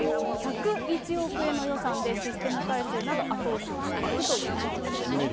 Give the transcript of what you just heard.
１０１億円の予算で、システム改修など、後押しをしていくということです。